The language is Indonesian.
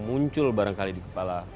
muncul barangkali di kepala